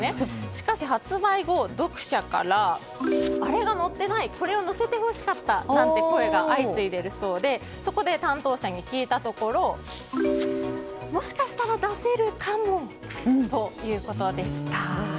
しかし発売後読者から、あれが載ってないこれを載せてほしかったなんて声が相次いでいるそうでそこで担当者に聞いたところもしかしたら出せるかもということでした。